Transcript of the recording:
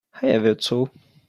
I have heard so.